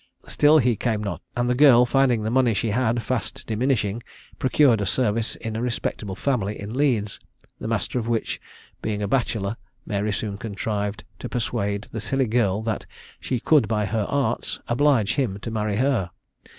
Still he came not; and the girl finding the money she had fast diminishing, procured a service in a respectable family in Leeds, the master of which being a bachelor, Mary soon contrived to persuade the silly girl that she could by her arts oblige him to marry her.